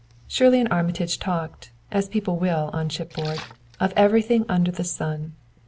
Shirley and Armitage talked as people will on ship board of everything under the sun.